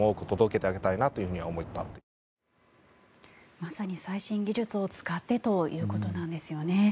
まさに最新技術を使ってということなんですよね。